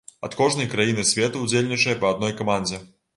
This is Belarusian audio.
Ад кожнай краіны свету ўдзельнічае па адной камандзе.